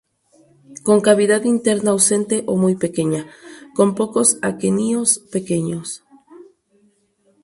Con cavidad interna ausente o muy pequeña, con pocos aquenios pequeños.